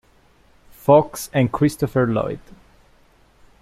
Fox and Christopher Lloyd.